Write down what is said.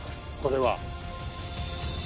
これは。